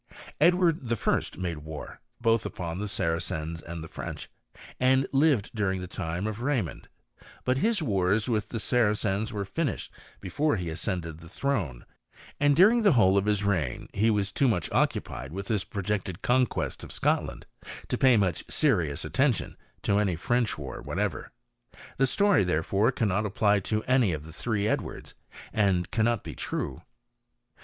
Edward the First made war both upon the Baracejos and the French, and lived during the time of Ray mond : but his wars with the Saracens were finished before he ascended the throne, and during the whole of his reign he was too much occupied with his projected conquest of Scotland, to pay much serious attention to any French war whatever. The story, therefore, cannot apply to any of the three Edwards, and cannot be true.